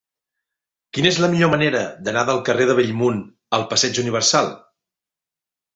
Quina és la millor manera d'anar del carrer de Bellmunt al passeig Universal?